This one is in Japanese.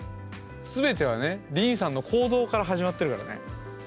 全てはねりんさんの行動から始まってるからね。